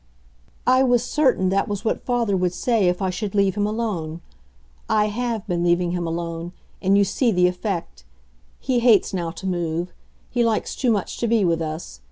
"I was certain that was what father would say if I should leave him alone. I HAVE been leaving him alone, and you see the effect. He hates now to move he likes too much to be with us.